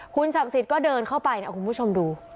คุณศักดิ์สิทธิ์ก็เดินเข้าไปนะคุณผู้ชมดู